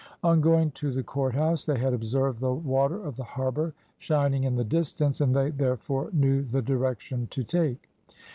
On going to the courthouse, they had observed the water of the harbour shining in the distance, and they therefore knew the direction to take.